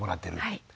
はい。